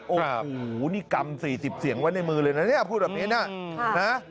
โอ้โหนี่กำ๔๐เสียงไว้ในมือเลยนะเนี่ยพูดแบบนี้นะ